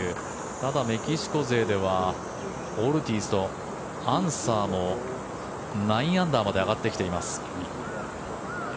ただ、メキシコ勢ではオルティーズとアンサーも９アンダーまで上がってきています。